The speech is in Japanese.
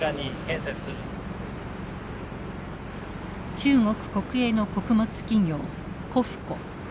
中国国営の穀物企業「コフコ」。